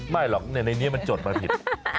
ไม่หรอกในนี้มันจดมาผิด